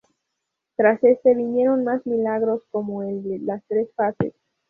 Tras este vinieron más milagros como el de las tres faces.